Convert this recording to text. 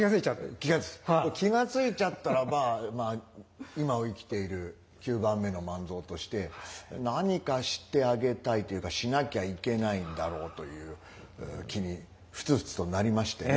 気が付いちゃったらば今を生きている九番目の万蔵として何かしてあげたいというかしなきゃいけないんだろうという気にふつふつとなりまして。